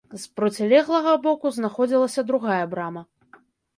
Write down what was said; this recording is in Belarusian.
З процілеглага боку знаходзілася другая брама.